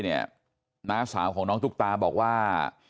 น้าสาวของน้องตุ๊กตาบอกว่า